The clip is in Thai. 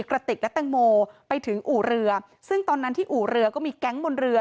กระติกและแตงโมไปถึงอู่เรือซึ่งตอนนั้นที่อู่เรือก็มีแก๊งบนเรือ